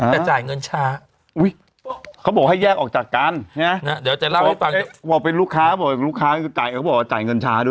แต่จ่ายเงินช้าเขาบอกให้แยกออกจากกันเขาเป็นลูกค้าเขาบอกว่าจ่ายเงินช้า